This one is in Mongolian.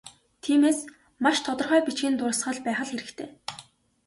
Тиймээс, маш тодорхой бичгийн дурсгал байх л хэрэгтэй.